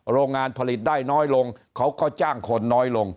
โรงงานผลิตได้น้อยลงเขาก็จ้างคนน้อยลง